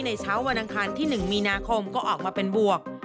เช้าวันอังคารที่๑มีนาคมก็ออกมาเป็นบวก